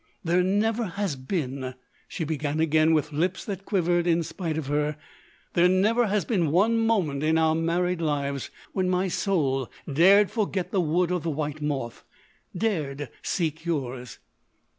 "There never has been," she began again with lips that quivered in spite of her—"there never has been one moment in our married lives when my soul dared forget the Wood of the White Moth—dared seek yours....